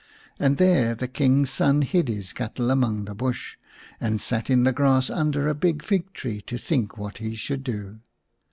And there the King's son hid his cattle amongst the bush, and sat in the grass under a big fig tree to think what he should do.